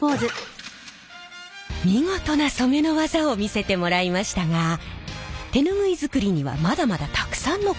見事な染めの技を見せてもらいましたが手ぬぐい作りにはまだまだたくさんの工程があります。